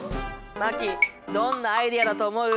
麻貴どんなアイデアだと思う？